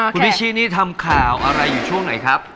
คุณพิชชี่นี่ทำข่าวอะไรอยู่ช่วงไหนครับ